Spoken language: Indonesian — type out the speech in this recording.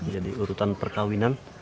jadi urutan perkawinan